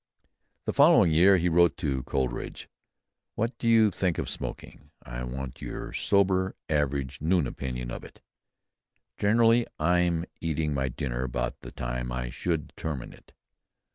The following year he wrote to Coleridge "What do you think of smoking? I want your sober, average, noon opinion, of it. I generally am eating my dinner about the time I should determine it.